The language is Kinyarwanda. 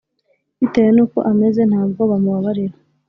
bitewe nuko ameze ntabwo bamu babarira